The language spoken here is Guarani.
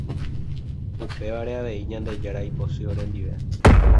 Upévare avei Ñandejára ipochy orendive.